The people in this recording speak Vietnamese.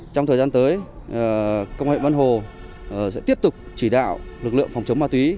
trong thời gian tới công nghệ vân hồ sẽ tiếp tục chỉ đạo lực lượng phòng chống ma túy